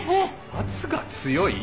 圧が強い？